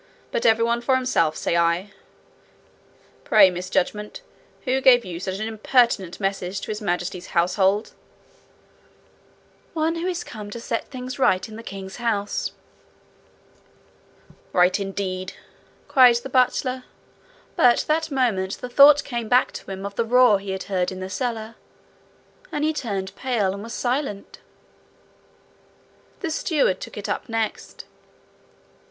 but every one for himself, say I! Pray, Miss judgement, who gave you such an impertinent message to His Majesty's household?' 'One who is come to set things right in the king's house.' 'Right, indeed!' cried the butler; but that moment the thought came back to him of the roar he had heard in the cellar, and he turned pale and was silent. The steward took it up next.